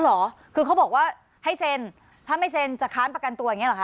เหรอคือเขาบอกว่าให้เซ็นถ้าไม่เซ็นจะค้านประกันตัวอย่างนี้หรอค